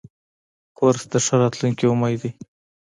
کورس د ښه راتلونکي امید دی.